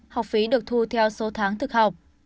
học phí được thu theo số tháng thực học